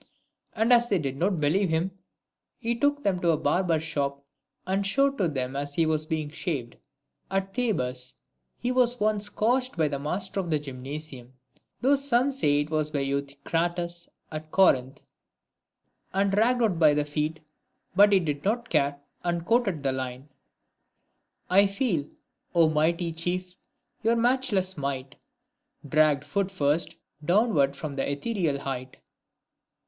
And as they did not believe him, he took them to a barber's shop, and showed him to them as he was being shaved. At Thebes he was once scourged by the master of the Gymnasium, (though some say it was by Euthycrates, at Corinth), and dragged out by the feet ; but he did not care, and quoted the line :— I feel, 0 mighty chief, your matchless might, Dragged, foot first, downward from th' ethereal height.